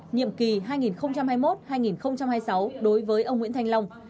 nhiệm kỳ hai nghìn hai mươi một hai nghìn hai mươi sáu đối với ông nguyễn thanh long